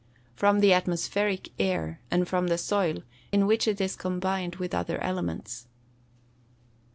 _ From the atmospheric air, and from the soil, in which it is combined with other elements.